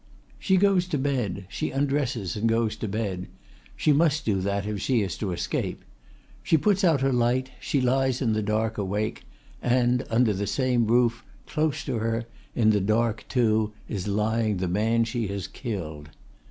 "She goes to bed, she undresses and goes to bed she must do that if she is to escape she puts out her light, she lies in the dark awake, and under the same roof, close to her, in the dark too, is lying the man she has killed.